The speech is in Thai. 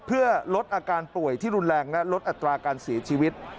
เพื่อลดอาการป่วยที่รุนแรงและลดอัตราการเสียชีวิต